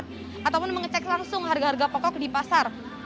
tadi juga sama saya sempat melihat ataupun mengecek langsung harga harga pokok di pasar